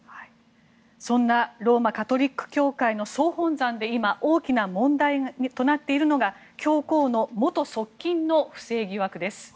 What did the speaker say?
そんなローマ・カトリック教会総本山で大きな問題となっているのが教皇の元側近の不正疑惑です。